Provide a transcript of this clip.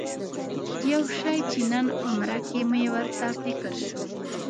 یو شي چې نن عمره کې مې ورته فکر شو.